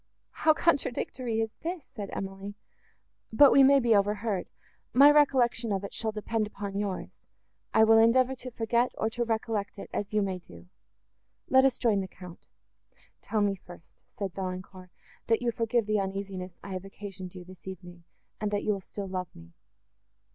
"How contradictory is this!" said Emily;—"but we may be overheard. My recollection of it shall depend upon yours; I will endeavour to forget, or to recollect it, as you may do. Let us join the Count."—"Tell me first," said Valancourt, "that you forgive the uneasiness I have occasioned you, this evening, and that you will still love me."